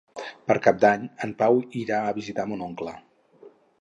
Per Cap d'Any en Pau irà a visitar mon oncle.